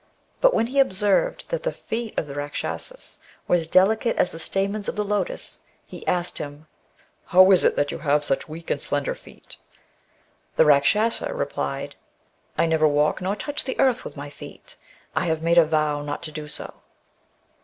But when he observed that the feet of the Kakschasa were as deHcate as the stamens of the lotus, he asked him, " How is it that you have such weak and slender feet ?" The Eakschasa replied, " I never walk nor touch the earth with my feet. I have made a vow not to do so.'